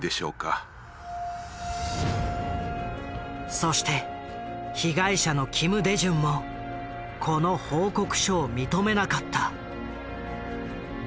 そして被害者の金大中もこの報告書を認めなかった。